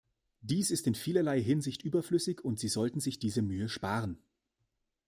Dies ist in vielerlei Hinsicht überflüssig, und sie sollten sich diese Mühe sparen.